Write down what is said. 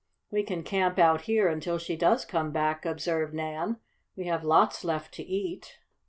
"We can camp out here until she does come back," observed Nan. "We have lots left to eat."